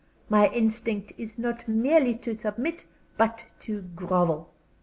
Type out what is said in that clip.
My instinct is not merely to submit, but to grovel.